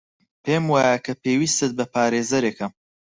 پێم وایە کە پێویستت بە پارێزەرێکە.